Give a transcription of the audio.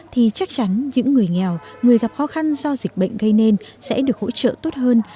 thì chắc chắn những người nghèo người gặp khó khăn do dịch bệnh gây nên sẽ được hỗ trợ tốt hơn